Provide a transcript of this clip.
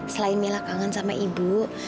selain mila kangen sama ibu